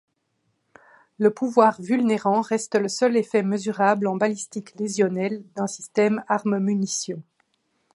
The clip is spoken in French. Le pouvoir vulnérant reste le seul effet mesurable en balistique lésionnelle d'un système arme-munition.